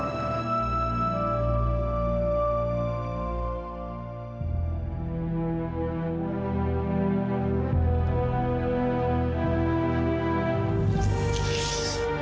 aku gak boleh mikirin dia